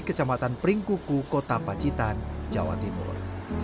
kecamatan pringkuku kota pacitan jawa timur